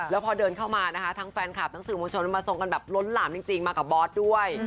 แล้วพอเดินเข้ามานะคะทั้งแฟนคลับทั้งสื่อมวลชนมาทรงกันแบบล้นหลามจริงมากับบอสด้วย